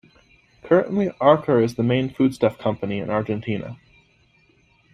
Currently, Arcor is the main foodstuff company in Argentina.